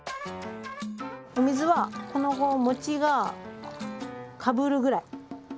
お水はこの餅がかぶるぐらい。